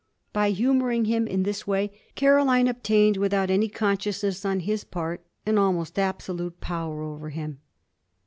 By humouring him in this way Caroline obtained, without any consciousness on his part, an almost absolute power over him.